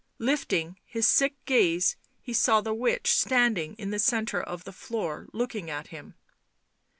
Lifting his sick gaze, he saw the witch standing in the centre of the floor, looking at him.